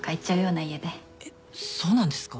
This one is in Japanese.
えっそうなんですか？